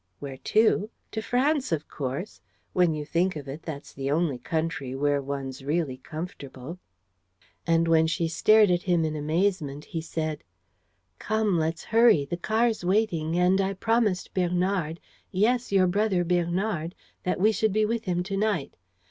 "Where to? To France, of course. When you think of it, that's the only country where one's really comfortable." And, when she stared at him in amazement, he said: "Come, let's hurry. The car's waiting; and I promised Bernard yes, your brother Bernard that we should be with him to night.